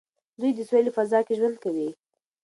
دوی د سولې په فضا کې ژوند کوي.